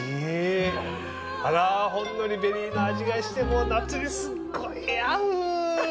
あらほんのりベリーの味がして夏にすっごい合う！